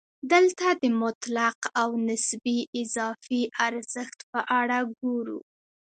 دلته د مطلق او نسبي اضافي ارزښت په اړه ګورو